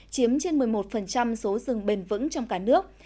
chiếm trên một mươi một số rừng bền vững trong cả nước